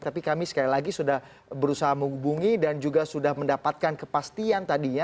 tapi kami sekali lagi sudah berusaha menghubungi dan juga sudah mendapatkan kepastian tadinya